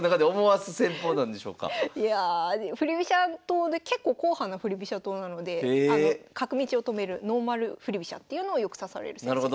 党で結構硬派な振り飛車党なので角道を止めるノーマル振り飛車っていうのをよく指される先生で。